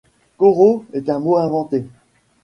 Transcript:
Qoros est un mot inventé.